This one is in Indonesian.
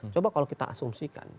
coba kalau kita asumsikan